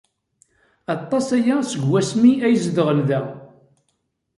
Aṭas aya seg wasmi ay zedɣen da.